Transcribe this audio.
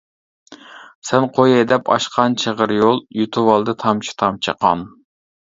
سەن قوي ھەيدەپ ئاچقان چىغىر يول، يۇتۇۋالدى تامچە-تامچە قان.